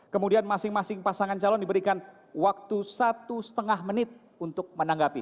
kemudian masing masing pasangan calon diberikan waktu satu lima menit untuk menanggapi